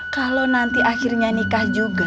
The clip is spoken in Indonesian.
kalau nanti akhirnya nikah juga